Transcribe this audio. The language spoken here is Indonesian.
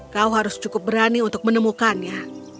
kau harus cukup berani untuk menemukannya